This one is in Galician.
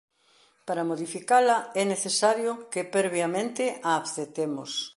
Para modificala é necesario que previamente a aceptemos.